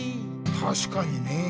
たしかにね！